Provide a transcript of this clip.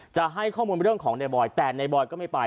จะให้ข้อมูลเรื่องของในบอยแต่ในบอยก็ไม่ไป